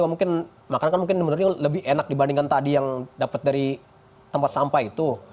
mungkin makanan kan lebih enak dibandingkan tadi yang dapat dari tempat sampah itu